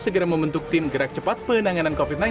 segera membentuk tim gerak cepat penanganan covid sembilan belas